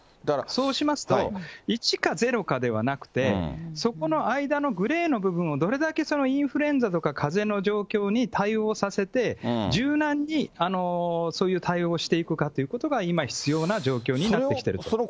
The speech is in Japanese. そうしますと、１か０ではなくて、そこの間のグレーの部分をどれだけインフルエンザとかかぜの状況に対応させて、柔軟にそういう対応をしていくかということが、今必要な状況になってきていると。